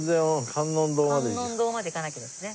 観音堂まで行かなきゃですね。